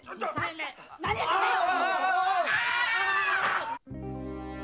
何やってんだよ！